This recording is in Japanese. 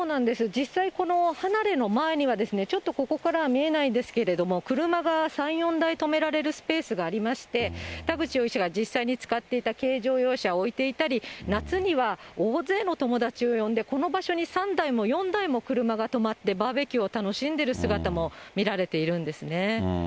実際、この離れの前にはちょっとここからは見えないんですけれども、車が３、４台止められるスペースがありまして、田口容疑者が実際に使っていた軽乗用車を置いていたり、夏には大勢の友達を呼んでこの場所に３台も４台も車が止まって、バーベキューを楽しんでいる姿も見られているんですね。